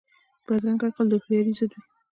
بدرنګه عقل د هوښیارۍ ضد وي